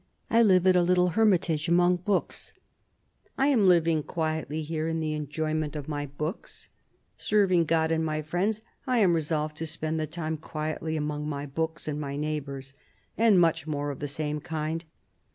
" I live at a little hermitage among books "..." I am living quietly here in the enjoyment of my books "... THE BISHOP OF LUgON 105 " Serving God and my friends, I am resolved to spend the time quietly among my books and my neighbours ;" and much more of the same kind.